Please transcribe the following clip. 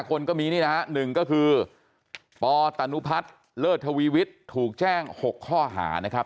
๕คนก็มี๑คือปตะนุพัฒน์เลอดธวีวิตรถูกแจ้ง๖ข้อหานะครับ